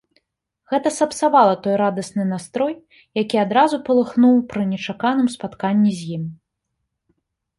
Гэта сапсавала той радасны настрой, які адразу палыхнуў пры нечаканым спатканні з ім.